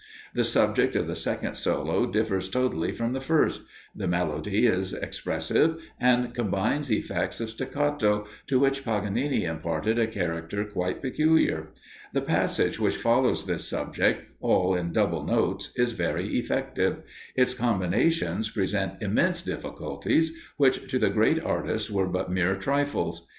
The subject of the second solo differs totally from the first; the melody is expressive and combines effects of staccato, to which Paganini imparted a character quite peculiar. The passage which follows this subject, all in double notes, is very effective: its combinations present immense difficulties, which to the great artist were but mere trifles.